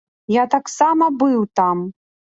Я таксама быў там.